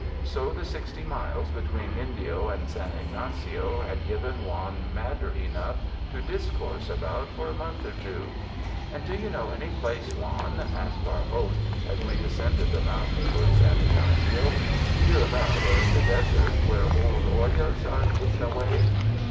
So the sixty miles between Indio and San Ygnacio had given Juan matter enough to discourse about for a month or two. ''And do you know any place, Juan," asked our host as we descended the mountain towards San Ygnacio, "hereabout or in the desert, where old ollas are hidden away?"